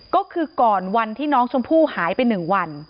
ก็คือก่อนวันที่น้องชมพู่หายไป๑วัน